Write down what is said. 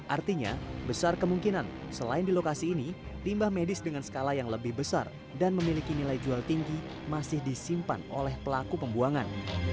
artinya besar kemungkinan selain di lokasi ini limbah medis dengan skala yang lebih besar dan memiliki nilai jual tinggi masih disimpan oleh pelaku pembuangan